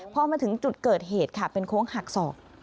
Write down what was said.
พอมาถึงจุดเกิดเหตุค่ะเป็นโค้งหักศอก